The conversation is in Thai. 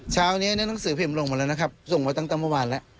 เช้านี้หนังสือพิมพ์ลงมาแล้วนะครับส่งมาตั้งแต่เมื่อวานแล้ว